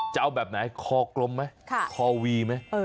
จ้ะโอ้โฮดี